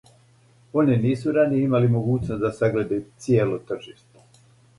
Они нису раније имали могућност да сагледају цијело тржиште.